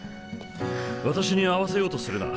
私に合わせようとするな。